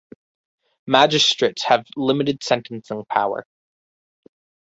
Magistrates have limited sentencing powers.